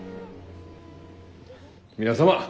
皆様